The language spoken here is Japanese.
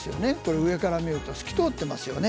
上から見ると透き通ってますよね。